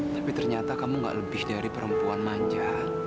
tapi ternyata kamu gak lebih dari perempuan manja